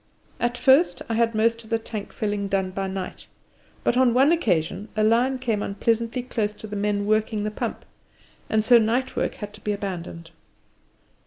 At first I had most of the tank filling done by night, but on one occasion a lion came unpleasantly close to the men working the pump, and so night work had to be abandoned.